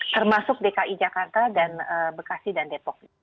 termasuk dki jakarta dan bekasi dan depok